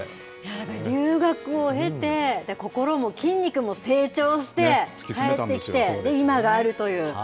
留学を経て、心も筋肉も成長して、帰ってきて、で、今があるという。